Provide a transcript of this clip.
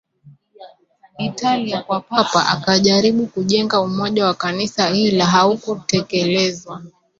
Italia kwa Papa akajaribu kujenga umoja wa Kanisa ila haukutekelezwa